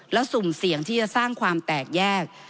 แล้วสุ่มเสี่ยงที่จะสร้างความแตกแยก